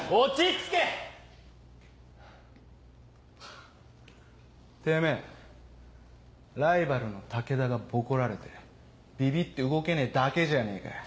ハッてめぇライバルの武田がボコられてビビって動けねえだけじゃねえかよ。